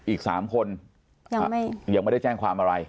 อีก๓คนยังไม่ได้แจ้งความอะไร